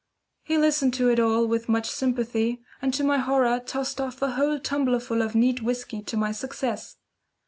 He listened to it all with much sympathy, and to my horror tossed off a whole tumbler full of neat whisky to my success.